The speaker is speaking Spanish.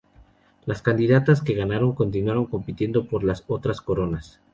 Las candidatas que no ganaron continuaron compitiendo por las otras coronas.